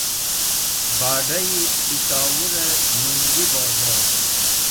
Bad̃ai Peshowure Nungi Bozor